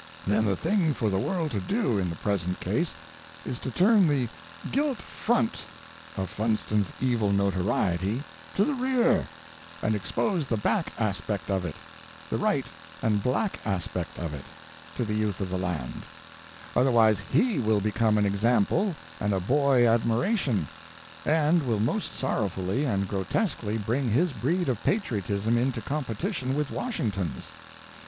Then the thing for the world to do in the present case is to turn the gilt front of Funston's evil notoriety to the rear, and expose the back aspect of it, the right and black aspect of it, to the youth of the land; otherwise he will become an example and a boy ad miration, and will most sorrowfully and grotesquely bring his breed of Patriotism into competition with Washington's.